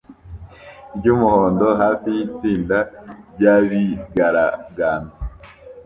ryumuhondo hafi yitsinda ryabigaragambyaga